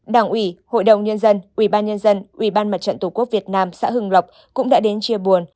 đảng ủy hội đồng nhân dân ủy ban nhân dân ủy ban mặt trận tổ quốc việt nam xã hưng lộc cũng đã đến chia buồn